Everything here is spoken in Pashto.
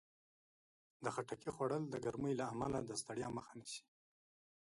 د خټکي خوړل د ګرمۍ له امله د ستړیا مخه نیسي.